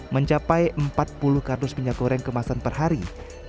mencapai empat puluh kardus minyak goreng kemasan perharian